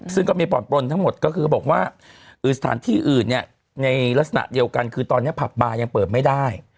ซึ่งก็มีบ่อนปลนทั้งหมดก็คือบอกว่าสถานที่อื่นเนี่ยในลักษณะเดียวกันคือตอนนี้ผับบาร์ยังเปิดไม่ได้